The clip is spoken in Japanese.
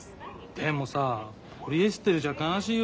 でもさポリエステルじゃ悲しいよ。